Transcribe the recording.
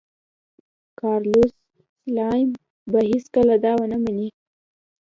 کارلوس سلایم به هېڅکله دا ونه مني.